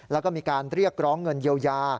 แล้วก็มีการเรียกร้องเงินเยียวยา